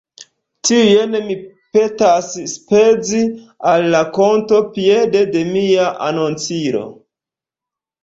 Tiujn mi petas spezi al la konto piede de mia anoncilo.